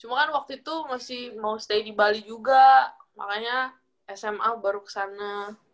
cuma kan waktu itu masih mau stay di bali juga makanya sma baru kesana